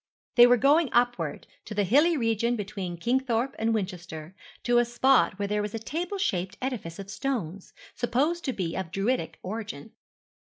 They were going upward, to the hilly region between Kingthorpe and Winchester, to a spot where there was a table shaped edifice of stones, supposed to be of Druidic origin.